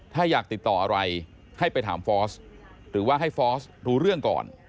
ถ้าอยากติดต่ออะไรให้ไปถามฟอสหรือว่าให้ฟอสรู้เรื่องก่อน